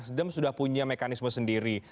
nasdem sudah punya mekanisme sendiri